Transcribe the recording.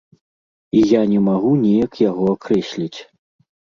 І я не магу неяк яго акрэсліць.